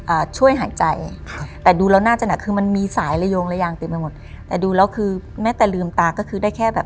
ช่วยหายใจครับแต่ดูแล้วน่าจะหนักคือมันมีสายระโยงระยางเต็มไปหมดแต่ดูแล้วคือแม้แต่ลืมตาก็คือได้แค่แบบ